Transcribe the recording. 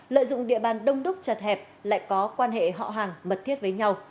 lợi dụng địa bàn đông đúc chặt hẹp lại có quan hệ họ hàng mật thiết với nhau